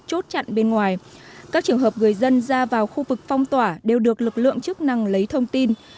chốt chặn bên ngoài các trường hợp người dân ra vào khu vực phong tỏa đều được lực lượng chức năng lấy thông tin